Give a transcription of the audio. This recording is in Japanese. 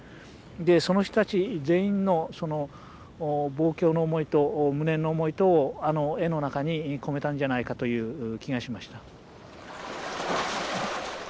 でその人たち全員の望郷の思いと無念の思いとをあの絵の中に込めたんじゃないかという気がしました。